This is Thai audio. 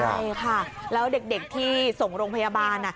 ใช่ค่ะแล้วเด็กที่ส่งโรงพยาบาล